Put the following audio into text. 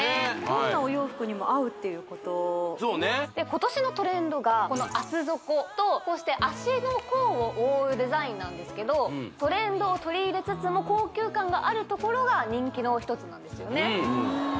どんなお洋服にも合うっていうことそうねで今年のトレンドがこの厚底とそして足の甲を覆うデザインなんですけどトレンドを取り入れつつも高級感があるところが人気の一つなんですよね